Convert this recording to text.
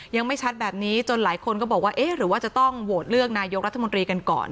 ยังไม่ชัดแบบนี้จนหลายคนก็บอกว่าเอ๊ะหรือว่าจะต้องโหวตเลือกนายกรัฐมนตรีกันก่อน